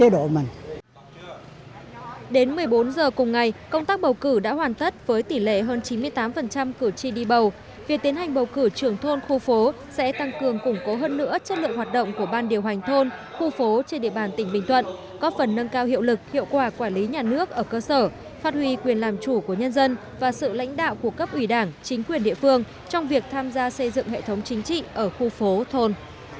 đến một mươi bốn giờ cùng ngày công tác bầu cử đã hoàn tất với tỷ lệ hơn chín mươi tám cử tri đi bầu việc tiến hành bầu cử trưởng thôn khu phố sẽ tăng cường củng cố hơn nữa chất lượng hoạt động của ban điều hành thôn khu phố trên địa bàn tỉnh bình thuận có phần nâng cao hiệu lực hiệu quả quản lý nhà nước ở cơ sở phát huy quyền làm chủ của nhân dân và sự lãnh đạo của cấp ủy đảng chính quyền địa phương trong việc tham gia xây dựng hệ thống chính trị ở khu phố thôn